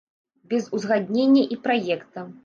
Без узгаднення і праекта.